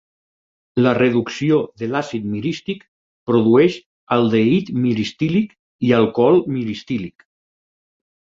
La reducció de l"àcid mirístic produeix aldehid miristílic i alcohol miristílic.